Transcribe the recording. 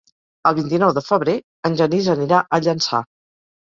El vint-i-nou de febrer en Genís anirà a Llançà.